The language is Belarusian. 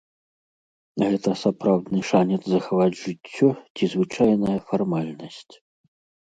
Гэта сапраўдны шанец захаваць жыццё ці звычайная фармальнасць?